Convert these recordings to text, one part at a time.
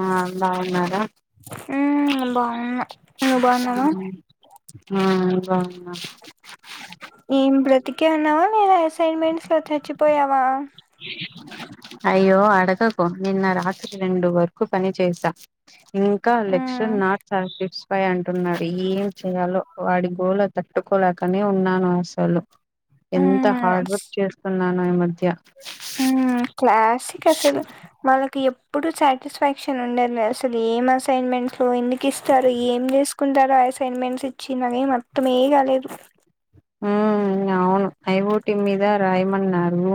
ఆ బాగున్నారా. ఉమ్ బాగున్నా నువ్వు బాగున్నావా ఆ బాగున్నా ఏం బ్రతికే ఉన్నావా. అసైన్మెంట్స్. పోయావ అయ్యో అడగకు నిన్న రాత్రి రెండు వరకు పని చేసా. ఇంకా లెక్చర్ ఉమ్ నాట్ అబ్బాయి అంటున్నాడు. ఏం చేయాలో వాడి గోల తట్టుకోలేకనే ఉన్నాను అసలు. ఎంత ఉమ్ హార్డ్ వర్క్ చేస్తున్నాను. మన మధ్య క్లాసిక్ అసలు వాళ్లకి. ఇప్పుడు సాటిస్ఫాక్షన్ ఉండదు. అసలు ఏం అసైన్మెంట్స్లో ఎందుకు ఇస్తారు. ఏం చేసుకుంటారో అసైన్మెంట్స్ ఇచ్చి నాకైతే అర్థమే కాలేదు. ఉమ్ అవును ఐఓటి మీద రాయమన్నారు.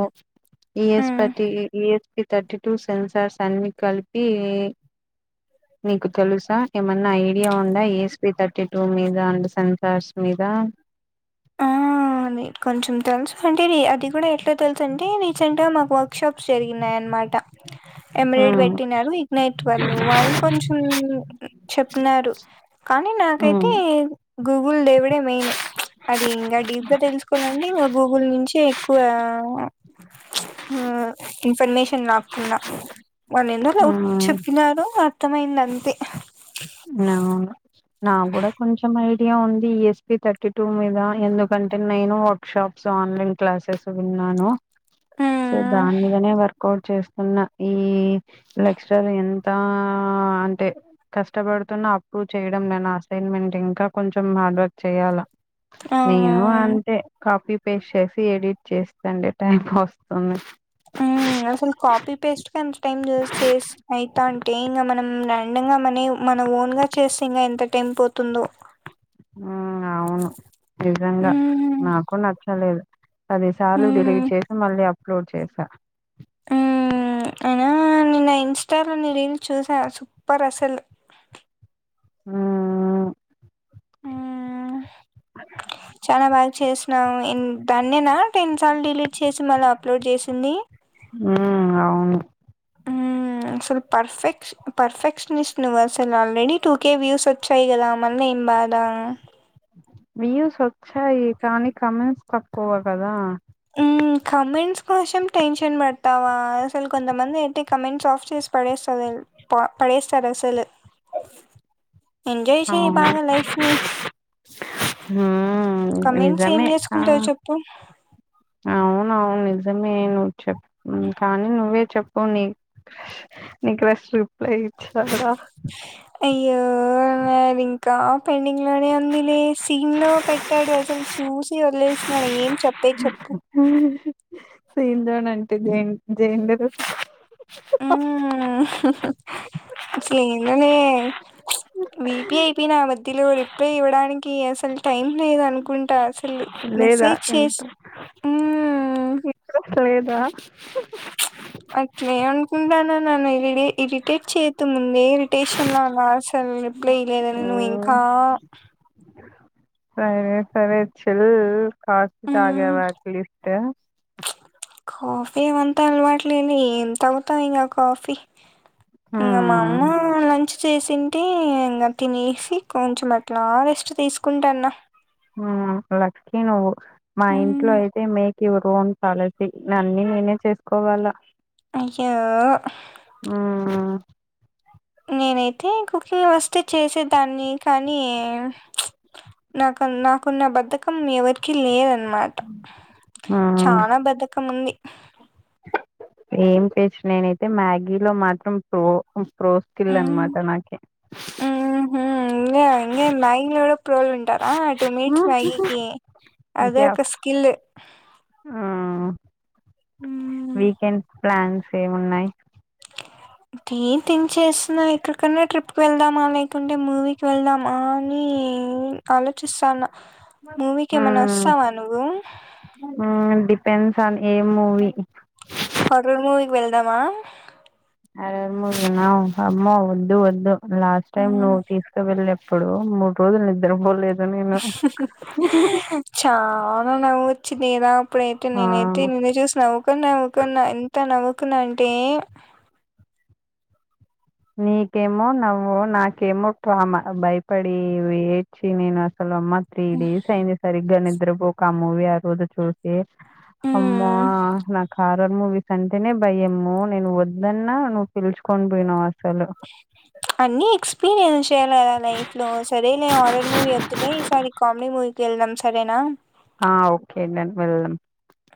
ఈఎస్ ఉమ్ పటి ఈఎస్. థర్టీ టూ సెన్సార్స్ అన్ని కలిపి నీకు తెలుసా ఏమన్నా ఐడియా ఉందా ఏస్పీ టూ మీదా స చస్మిత ఆ కొంచెం తెలుసు. అంటే అది కూడా ఎట్లా తెలుసు అంటే రీసెంట్ గా మాకు వర్క్ షాప్స్ జరిగినాయన్నమాట. ఎమ్మెలేడ్ మ్మ్ పెట్టినారు ఇగ్ఞత్ వాళ్ళు వాళ్ళు కొంచెం చెప్పినారు కానీ నాకైతే. హ్మ్. గూగుల్ దేవుడే మెయిన్. అది ఇంకా డీప్గా తెలుసుకోవాలంటే ఇంకా గూగుల్ నుంచి ఎక్కువ ఇన్ఫర్మేషన్ లాకున్నా వాళ్ళు ఎందులో హ్మ్. చెప్పినారో. ఉత్తమైది అంతే. ఆ నా కూడా కొంచెం ఇగా ఉంది ఈఎస్పి థర్టీ టూ మీద ఎందుకంటే నేను వర్క్ షాప్స్ ఆన్లైన్ క్లాసెస్ విన్నాను. సో దాని మీదనే డి కోడ్ చేస్తున్న ఈ లెక్చర్ ఎంత అంటే ఇష్టపడుతున్నా అప్రూవ్ చేయడం నేను అసైన్మెంట్ ఇంకా కొంచెం హార్డ్ వర్క్. చెయాలా ఆ నేను అంటే కాఫ పేస్ చేసి ఎడిట్ చేస్తండి టైప్ వస్తుంది. ఉమ్మ్ అసలు కాపీ పేస్ట్ కని అవుతా అంటే ఇంకా మనం. ఉండంగా మనీ మనం ఓన్ గా చేస్తే ఇంగా ఎంత టైం పోతుందో. ఆ అవును. నిజంగా ఉమ్ నాకు నచ్చలేదు. పది సార్లు ఉమ్ డెలిట్ చేసి మళ్ళీ అప్ అప్లోడ్ చేసా. హ్ అయినా నిన్న ఇన్స్టాలో ని రీల్స్ చూసా సూపర్ అసలు. ఆ హ్ చానా బాగా చేస్ వు దాన్నేనా టెన్ సార్లు డిలీట్ చేసి మళ్ళా అప్లోడ్ చేసింది. ఉ అవును. హ్ అసలు పర్ఫెక్ష్ పర్ఫెక్షనిస్ట్ నువ్వు అసలు ఆల్రెడి టూ కేె వ్యూస్ వచ్చాయి కదా మళ్ళీ ఏం బాధ. వ్యూస్ వచ్చాయి కానీ కమెంట్స్ తక్కువగదా. హ్ కమెంట్స్ కోసం టెన్షన్ పడతావా, అసలు కొంతమంది అయితే కమెంట్స్ ఆఫ్ చేసి పడేస్తారు తేల్ ప పడేస్తారు అసలు. ఎంజాయ్ చేయి బాగా లైఫ్ని. హ కమెంట్స్ ఏం చేసుకుంటారు చెప్పు. అవును నిజమే నువ్వు చెప్ కానీ నువ్వే చెప్పు నీ క్రష్ నీ క్రష్ రిప్లై ఇచ్చాడా. అయ్యో ఇవ్వలేదు ఇంకా ఇంకా పెండింగ్ లోనే ఉందిలే, సీన్ లో పెట్టాడు అసలు చూసి వదిలేసినాడు ఏం చెప్పేది చెప్పు. ఫింద్రాన్ అంట ఇది దేన్ దేన్ మీద హు అసలు ఏందోనే విపి అయిపోయినా. మధ్యలో రిప్లై ఇవ్వడానికి అసలు టైం లేదు అనుకుంటా అస అసలు లేదా మెసేజ్ చేసి హ్మ్ లేదా అట్లే అంనుకుంటానా నన్ను ఇరీడి ఇరిటేట్ చేయదు. ముందే ఇరిటేషన్ లో ఉన్నా అసలు రిప్లే ఇయలేదని నువ్వు మ్మ్ ఇంకా సరే సరే చిల్ కాఫీ హ్మ్. తాగావా అట్లీస్ట్ కాఫీ ఏమంతా అలవాటులేదు ఎం తాగుతావ్ ఇంగా కాఫీ. ఇంగా మా హ్మ్. అమ్మ లంచ్ చేసింటే ఇంగా తినేసి కొంచెం అట్లా రెస్ట్ తీసుకుంటాన్నా. హ్మ్ లక్కీ నువ్వు మా హ్మ్ ఇంట్లో అయితే మే చివరికి వంటా అనేసి అన్ని నేనే చేసుకోవాలా. అయ్యో మ్మ్ నేనైతే కుకింగ్ వస్తే చేసేదాన్ని కానీ నాకు నాకున్న బద్ధకం ఎవరి ఎవరికీ లేదు అనమాట చాల బద్ధకం ఉంది ఎం టేస్ట్ నేనైతే మ్యాగీలో మాత్రం ప్రో హ్మ్ ప్రోస్కిల్నమాటనాకి ఊహూ ప్రోల్ ఉంటారా ఆ టూ మినిట్స్ మ్యాగీకి అదే ఒక స్కిల్ ఊహ్మ్ వీకెండ్ ప్లాన్స్ ఎం ఉన్నాయి దే థింక్ చేస్తన్నా ఎక్కడికన్నా ట్రిప్ వెళ్దామా లేకుంటే మూవీకి వెళ్దామా అని ఆలోచిస్తాన ఉహు అంటే [unintelligible] ఏ మూవీ హారర్ మూవీకి వెళ్దామా హారర్ మూవీ నా అమ్మ వద్దు వద్దు లాస్ట్ టైమ్ మ్మ్. నువ్వు తీసుకువెళ్లే ఇప్పుడు మూడు రోజులు నిద్ద్ర పోలేదు చాల న చిన్నద ఇప్పుడైతే ఆ నేనైతే నిన్న చూసినవవుకన్నావవుకన్నా ఎంత నవ్వు నవ్వుకున్న అంటే నీకేమో నవ్వు నాకేమో ట్రమా భయపడి ఏడ్చి నేను అ అమ్మా త్రీ డేస్ అయింది సార్ ఇగా నిద్రపోక ఆ మూవీ ఆ రోజు చూసి అమ్మ మ్మ్, నాా హారర్ మూవీస్ అంటేనే భయమ్ము నేను వద్దన్నా పిలుచుకొని పోయినావా అన్ని ఎక్స్పీరియన్స్ ఉండాలా లైఫ్ లో సరే నే హార్ర్ మూీ వద్దులే ఈసారి కామెడీ మూవీ క వెళ్దాం సరేనా ఆ ఓకే డన్ వెళ్దాం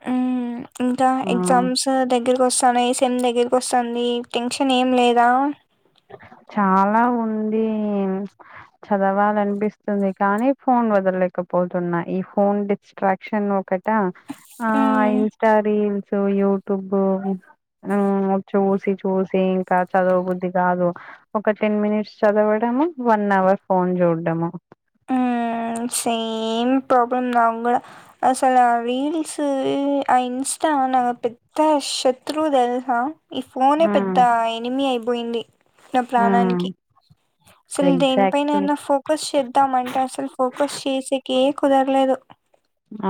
హ్మ్మ్ ఇంకా ఆ ఎగ్జామ్స్ దగ్గర వస్తానయి సెమ్ దగ్గరకి వస్తుంది టెన్షన్ ఏం లేదా చాలా ఉంది చదవాలనిపిస్తుంది కానీ ఫోన్ వదలేకపోతున్నా ఈ ఫోన్ డిస్ట్రాక్షన్ ఒక్కటా ఆ మ్మ్. ఇన్స్టా రీల్ సో యూట్యూబ్ చూసి చూసి ఇంకా చదువ బుద్ధి రాదు ఒక టెన్ మినిట్స్ చదవడము వన్ అవర్ ఫోన్ చూడడము సేమ్ ప్రాబ్లం నా కూడా అసలు రీల్స్ ఆ ఇన్స్టా నా పెద్ద శత్రువు తెలుస ఈ ఫోనే పెద్ద మ్ ఎనిమి అయి పోయింది నా మ్ ప్రాణానికి అసలు ఎగ్జాక్ట్లీ దేనిపైననా ఫోకస్ చే పంటే అసలు ఫోకస్ చేసేకె కుదరలేదు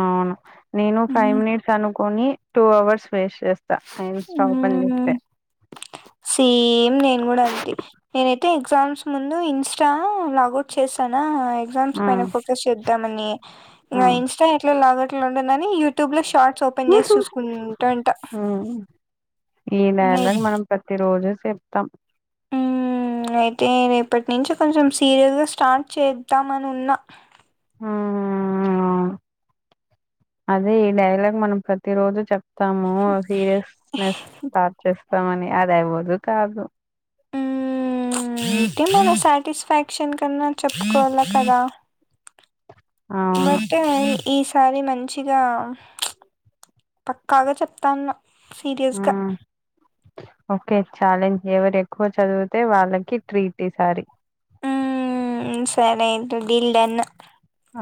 అవును నేను ఫైవ్ మ్మ్. మినిట్స్ అను కొని టూ అవర్స్ వేస్ట్ చేస్తా నే ఇన్ స్టా ఓపెన్ మ్మ్. చేస్తే సేమ్ నేను కూడా అంతే నేనయితే ఎగ్జామ్స్ ముందు ఇన్స్టా లాగౌట్ చేసాన ఎగ్జామ్స్ అపైన మ్ ఫోకస్ చేద్దామని ఇంకా మ్ ఇన్స్టా ఎట్లా లాగౌట్ ఉుందని యూట్యూ లో షార్ట్ ఓపెన్ చేసి చూసుకుంటాంట మ్మ్ ఇన్నేళ్లకు మనం ప్రతిరోజు రోజే చెప్తాం అయితే రేపటి నుంచి కొంచెం సీరియస్ గా ఇస్టార్ట్ చేద్దామని ఉన్నా ఆ అదే ఈ డైలాగ్ మనం ప్రతి రోజు చెప్ తాము సీరియస్నెస్ స్టార్ట్ చేస్త మని అది అవ్వదు కాదు ఉ అతే మన సాటిస్ఫాక్షన్ కన్నా చెప్పుకోవాలి కదా అవును బట్టు అయి ఈసారి మంచిగా పక్కాగా చెప్తాను సీరియస్గా మ్మ్ ఓకే ఛాలెంజ్ ఎవరు ఎక్కువ చదివితే వాళ్ళకి ట్రీ ఇసారి ఉ సరే అయితే డీల్ డన్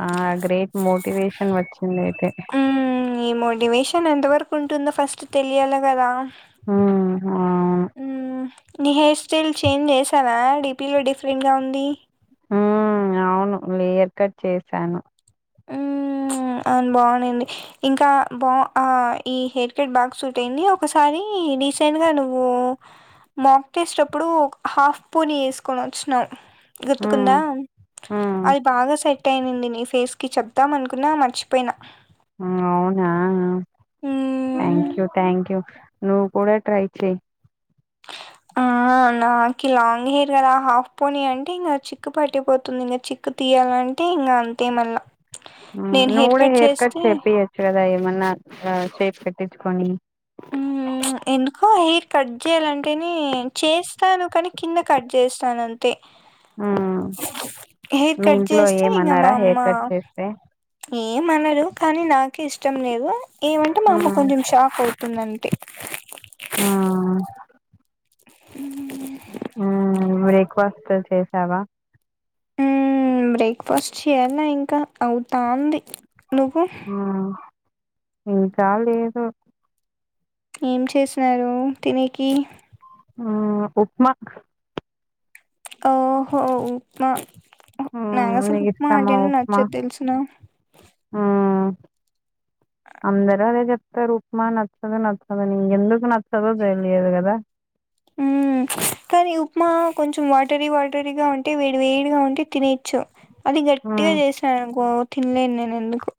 ఆ గ్రేట్ మోటివేషన్ వచ్చింది అయితే హ్మ్. ఈ మోటివేషన్ ఎంతవరకు ఉంటుందో ఫస్ట్ తెలియాలె కదా మ్మ్ అవును నీ హెయిర్ స్టైల్ చేంజ్ చేసావా డిపీలో డిఫరెంట్గా ఉంది ఉ అవున లేయర్ కట్ చేసాను ఉమ్. అ బాగున్నాడి ఇంకా బా ఈ హెయిర్ కట్ బాగ్ సూట్ అయింది ఒకసారి రీసెంట్గా నువ్వు మాక్ చేేసేటప్పుడు హాఫ్ పూనీ వేసుకొని వచ్చినావు గుర్తుకుందా మ్మ్ మ్మ్ అది బాగా సైట్ అయింది నీ ఫేస్ కి చెప్దాం అనుకున్నా మ చిపోయినా అవునా హ్మ్. థ్యాంక్ యూ థ్యాంక్ యూ నువ్ కూడ ట్రై చెయ్ ఆ నాకి లాంగ్ హెయిర్ కదా హాఫ్ పోని అంటే ఇంకా చిక్కు పట్టిపోతుంది ఇంకా చిక్కు తీయాలంటే ఇంకా అంతే మళ్ళ నువ్ కూడ హేర్ కట్ చేేపియచ్చు కదా ఏమన్నా [inaudible] తెచ్చుకొని ఎందుకో హెయిర్ కట్ చేయాలంటేనే చేస్తాను కానీ కింద కట్ చేస్తాను అంతే హెయిర్ మీ కట్ ఇంట్లో చేస్తే ఇంక మా ఏమన్నారా అమ్మ హెయిర్ కట్ చేస్తే ఏమనదు కానీ నాక్ ఇష్టం లేవు ఏమంటే మా అమ్మ కొంచెం షాక్ అవు తుందంతే మ్మ్ మ్మ్ బ్రేక్ఫాస్ట్ చేసావా మ్మ్ బ్రేక్ఫాస్ట్ చేయాలా ఇంక అవుతాంది నువ్వు మ్మ్ ఇంకా లేదు ఏం చేసినారు తినేకి మ్మ్ ఉప్మా ఓహో ఉప్మా నాకసలు నీకు ఉప్మా అంటెనే నచ్చదు తెలుసున ఆ అందరూ అదే చెప్తారు ఉప్మా నచ్చదు నచ్చదు ఇంకెందుకు నచ్చదో తెలియదు కదా మ్మ్ కానీ ఉప్మా కొంచెం వాటరీ వాటరీగా ఉంటే వేడి వేడిగా ఉంటే తినేయచ్చు అది గట్టిగా చేసాననుకో తినలేను నేను ఎందుకు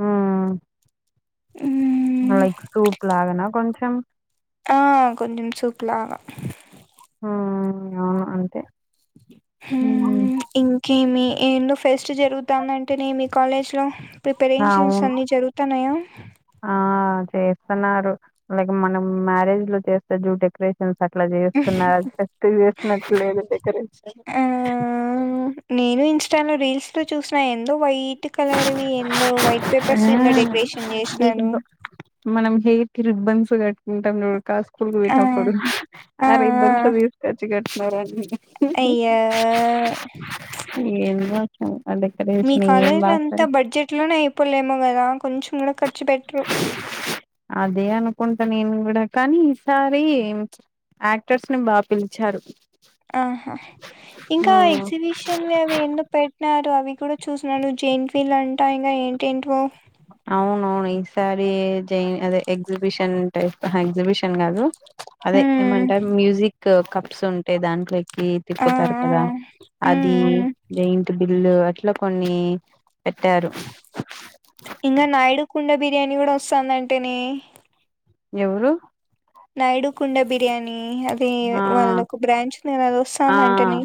మ్మ్ మ్మ్ లైక్ సూప్ లాగానా కొంచెం ఆ కొంచం సూపులాగా మ్మ్ అవును అంతే హ్మ్మ్ ఇంకేమి ఏనో ఫెస్ట్ జరుగుతాందంటనే మీ కాలేజ్ లో ప్రిపరేషన్స్ అవును అన్నీ జరుగుతాన్నాయ ఆ చేస్తున్నారు లైక్ మనం మ్యారేజ్ లో చేస్తే జు డెకరేషన్ అట్లా చేస్తున్నారు [unintelligible] డెకరేషన్ ఆ నేను ఇన్స్టాలో రీల్స్ చూసిన ఎం వైట్ కలర్వి ఎందో వైట్ పేపర్స్ ఎందో డెకరేషన్ చేసినను ఏందో మనం హెయిర్ రిబ్బన్స్ కట్టుంటాం [unintelligible] [unintelligible] ఆ కప్పుడు ఆ రిబ్బన్స్ తీసుకొచ్చి కట్ సరే అయ్యా [inaudible] ఏందో [unintelligible] ఆ డెకరేషన్ ఏం కాలేజీల అంతా రాస్తారు. బడ్జెట్ లోనే అయిపోలేమో కదా కొంచెం కూడా ఖర్చు పెట్టరు అదే అనుకుంటా నేను కూడా కానీ ఈసారి యాక్టర్స్ ని బాగా పిలిచారు ఆహా ఆ ఇంకా ఎగ్జిబిషన్ అవి ఎన్నో పెట్టిన ంటో అవి కూడా చూసినడు జెంట్ వీలు అంటా ఇంకా ఏంటేంటో సారిీ జైన్ అదే ఎగ్జిబిషన్ టై ఎగ్జిబిషన్ కాదు అదే ఉమ్, ఏమంటారు మ్యూజిక్ కప్స్ ఉంటేయి దాంట్లో ఆ తిప్పుతారు ఆ, కదా ఉమ్, అది ఉమ్. ఇంటిి ఇలు అట్లా కొన్ని పెట్టారు ఇకా నాయడు కుండ బిర్యానీ కూడా వస్తుందింటేనే ఎవరు నయుడు కుండ బిర్యానీ అది ఆ వాళ్ళ ఒక బ్రాంచ్ నేను అది ఆ వస్తానుంటే ను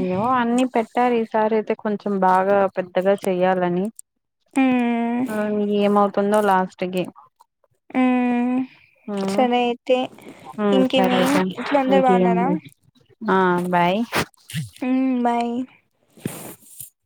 ఏయ్యో అన్ని పెట్టారు సరే కొంచెం బాగా పెద్దగా చెయ్యాలని ఉమ్, ఏమవు తందో లాస్ట్ ఉమ్. సరే అయితే ఇంకేమి సరే ఇంట్లో అందరు బాగున్నారా బాయ్ ఆవు మై